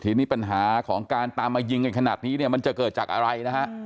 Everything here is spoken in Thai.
ทีนี้ปัญหาของการตามมายิงกันขนาดนี้เนี่ยมันจะเกิดจากอะไรนะฮะ